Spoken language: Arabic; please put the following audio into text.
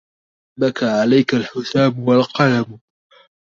بكى عليك الحسام والقلم